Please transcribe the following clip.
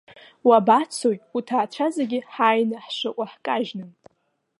Уабацои, уҭаацәа зегьы ҳааины ҳшыҟоу ҳкажьны?!